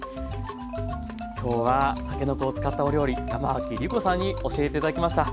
今日はたけのこを使ったお料理山脇りこさんに教えて頂きました。